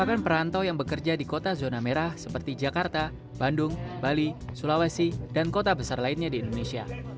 makanya dipercaya untuk pulang